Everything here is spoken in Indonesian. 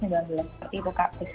seperti itu kak